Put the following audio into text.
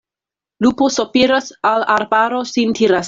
Lupo sopiras, al arbaro sin tiras.